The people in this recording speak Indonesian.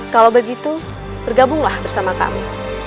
kalau begitu bergabunglah bersama kami